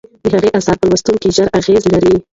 د هغه اثار په لوستونکو ژور اغیز لري.